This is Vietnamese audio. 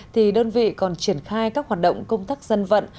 thì đơn vị còn triển khai các hoạt động công tác dân vận